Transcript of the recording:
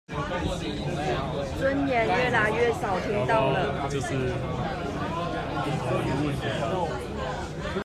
尊嚴越來越少聽到了